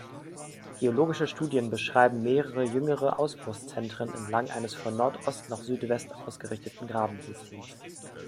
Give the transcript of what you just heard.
Geologische Studien beschreiben mehrere jüngere Ausbruchs-Zentren entlang eines von Nordost nach Südwest ausgerichteten Grabensystems.